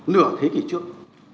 nửa thế kỷ trước